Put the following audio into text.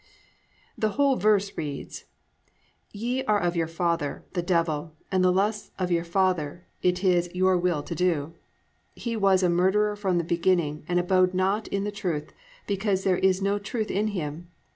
"+ The whole verse reads: +"Ye are of your father, the devil, and the lusts of your father it is your will to do: He was a murderer from the beginning, and abode not in the truth, because there is no truth in him.